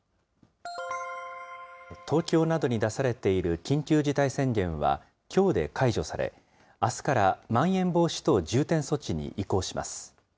東京などに出されている緊急事態宣言は、きょうで解除され、あすから、まん延防止等重点措置に移行します。